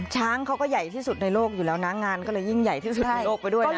ช้างเขาก็ใหญ่ที่สุดในโลกอยู่แล้วนะงานก็เลยยิ่งใหญ่ที่สุดในโลกไปด้วยนะ